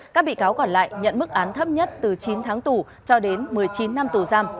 các bị cáo còn lại nhận mức án thấp nhất từ chín tháng tù cho đến một mươi chín năm tù giam